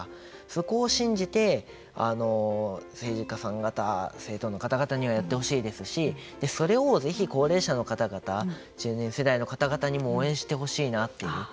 そこを信じて政治家さん方政党の方々にはやってほしいですしそれをぜひ高齢者の方々中年世代の方々にも応援してほしいなと。